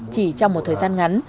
chỉ trong một thời gian ngắn